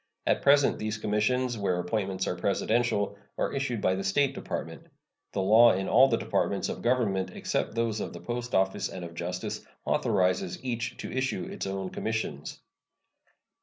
At present these commissions, where appointments are Presidential, are issued by the State Department. The law in all the Departments of Government, except those of the Post Office and of Justice, authorizes each to issue its own commissions.